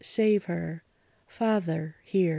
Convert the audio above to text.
save her! Father, hear!